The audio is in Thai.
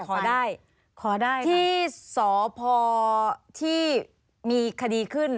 ไปขอได้ที่สวพอที่มีคดีขึ้น